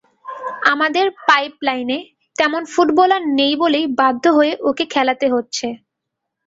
আমাদের পাইপলাইনে তেমন ফুটবলার নেই বলেই বাধ্য হয়ে ওকে খেলাতে হচ্ছে।